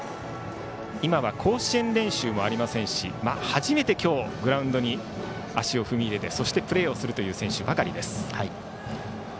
今は甲子園練習もありませんし初めて今日グラウンドに足を踏み入れてプレーをする選手ばかりです。